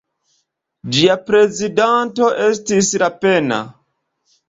Ĝia prezidanto estis Lapenna.